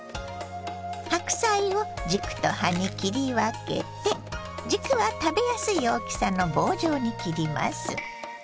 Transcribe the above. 白菜を軸と葉に切り分けて軸は食べやすい大きさの棒状に切ります。